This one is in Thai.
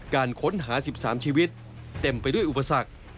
การค้นหา๑๓ชีวิตเต็มไปด้วยอุปสรรค